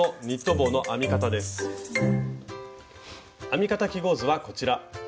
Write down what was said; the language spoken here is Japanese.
編み方記号図はこちら。